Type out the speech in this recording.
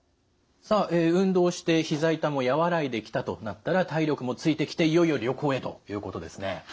さあ運動してひざ痛も和らいできたとなったら体力もついてきていよいよ旅行へということですね。